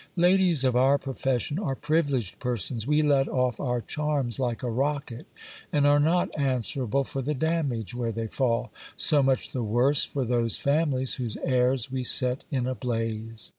Ladies of our profession are privileged persons; we let off our charms like a rocket, and are not answerable for the damage where they fall ; so much the worse for those families whose heirs we set in a blaze.